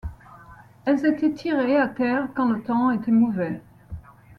Elles étaient tirées à terre quand le temps était mauvais.